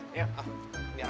biar abang bawa aja